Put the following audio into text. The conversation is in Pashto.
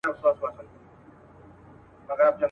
هره ورځ به يې د شپې لور ته تلوار وو.